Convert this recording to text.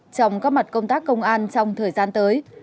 trong các mặt công tác công an trong thời gian tới